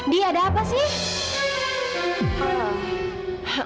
di ada apa sih